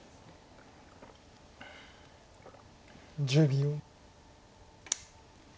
１０秒。